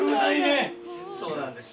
そうなんです。